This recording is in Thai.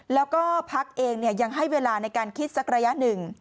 แล้วก็พักเองยังให้เวลาในการคิดสักระยะหนึ่ง